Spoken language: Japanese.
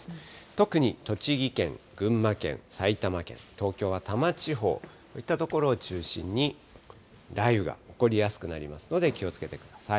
特に栃木県、群馬県、埼玉県、東京は多摩地方、こういった所を中心に雷雨が起こりやすくなるので気をつけてください。